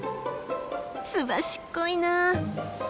すばしっこいなあ！